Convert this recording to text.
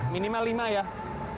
minimal lima butir kelapa tua